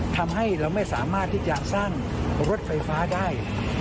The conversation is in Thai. ทำให้เราไม่สามารถที่จะสร้างรถไฟฟ้าได้